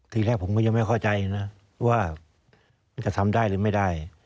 ทีแรกผมก็ยังไม่เข้าใจนะว่ามันจะทำได้หรือไม่ได้